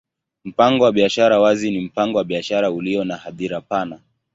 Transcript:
Mpango wa biashara wazi ni mpango wa biashara ulio na hadhira pana.